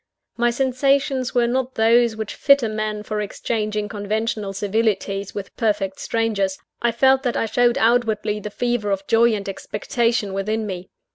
My sensations were not those which fit a man for exchanging conventional civilities with perfect strangers; I felt that I showed outwardly the fever of joy and expectation within me.